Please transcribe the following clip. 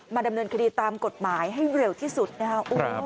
ดำเนินคดีตามกฎหมายให้เร็วที่สุดนะครับ